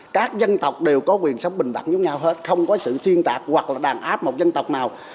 các dân tộc đều có quyền sống bình đẳng giống nhau hết không có sự thiên tạc hoặc là đàn áp một dân tộc nào